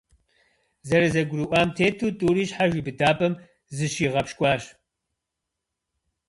ЗэрызэгурыӀуам тету, тӀури щхьэж и быдапӀэм зыщигъэпщкӏуащ.